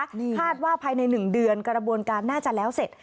คาดว่าภายในหนึ่งเดือนกระบวนการน่าจะแล้วเสร็จ